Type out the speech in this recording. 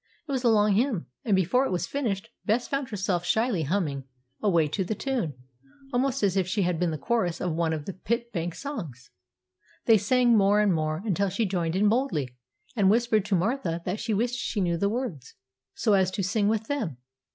It was a long hymn, and, before it was finished, Bess found herself shyly humming away to the tune, almost as if it had been the chorus of one of the pit bank songs. They sang more and more, until she joined in boldly, and whispered to Martha that she wished she knew the words, so as to sing with them.